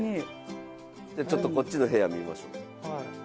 じゃあちょっとこっちの部屋見ましょう。